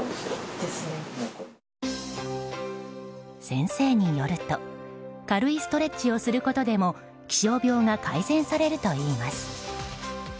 先生によると軽いストレッチをすることでも気象病が改善されるといいます。